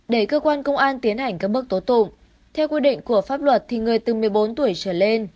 để cơ quan công an tiến hành các bước tố tụng theo quy định của pháp luật thì người từ một mươi bốn tuổi trở lên